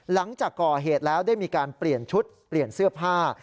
หลังจากก่อเหตุแล้วได้มีการเปลี่ยนชุดเปลี่ยนเสื้อผ้า